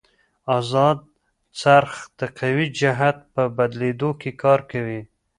ازاد څرخ د قوې جهت په بدلېدو کې کار کوي.